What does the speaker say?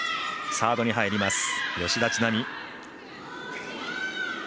サードに入ります吉田知那美。